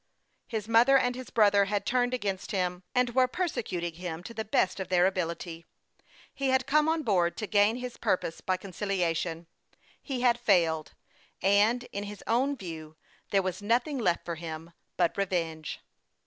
His mother and his brother had turned against him, and were persecuting him to the best of their ability. He had come on board to gain his purpose by con ciliation ; he had failed, and, in his own view, there was nothing left for him but revenge.